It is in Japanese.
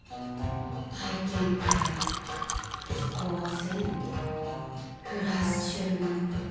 体験会飛行船フラッシュモブ。